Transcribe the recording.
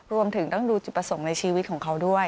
รวมถึงต้องดูจุดประสงค์ในชีวิตของเขาด้วย